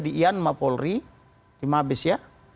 di iyanma polri di mabes ya